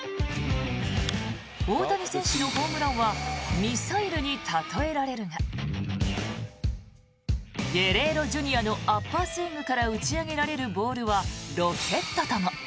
大谷選手のホームランはミサイルに例えられるがゲレーロＪｒ．のアッパースイングから打ち上げられるボールはロケットとも。